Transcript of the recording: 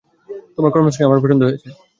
তোমার কর্মস্পৃহা আমার পছন্দ হয়েছে।